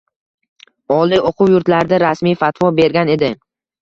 Oliy oʻquv yurtlarida rasmiy fatvo bergan edi.